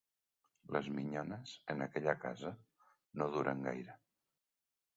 Les minyones, en aquella casa, no duren gaire.